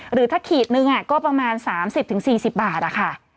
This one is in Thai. หรือถ้าขีดนึงก็ประมาณ๓๐๔๐บาทค่ะ